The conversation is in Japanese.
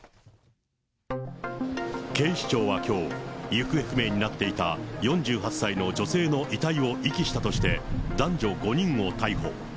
警視庁はきょう、行方不明になっていた４８歳の女性の遺体を遺棄したとして、男女５人を逮捕。